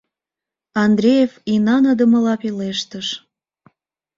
— Андреев инаныдымыла пелештыш.